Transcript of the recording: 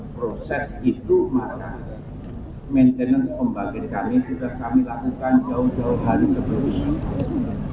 proses itu maka maintenance pembangkit kami sudah kami lakukan jauh jauh hari sebelumnya